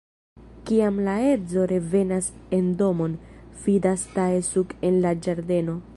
Kiam la edzo revenas en domon, vidas Tae-Suk en la ĝardeno.